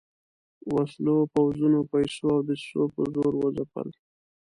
وسلو، پوځونو، پیسو او دسیسو په زور وځپل.